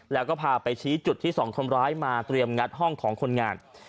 แล้วก็พาไปชี้จุดที่สองคนร้ายมาเตรียมงัดห้องของคนงาน